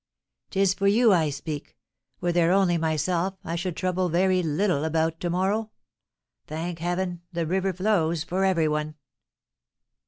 'Tis for you I speak; were there only myself, I should trouble very little about to morrow, thank Heaven, the river flows for every one!"